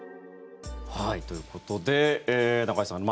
ということで中居さん